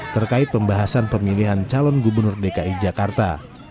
terkait pembahasan pemilihan calon gubernur dki jakarta